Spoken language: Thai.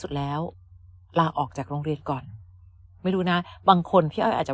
สุดแล้วลาออกจากโรงเรียนก่อนไม่รู้นะบางคนพี่อ้อยอาจจะ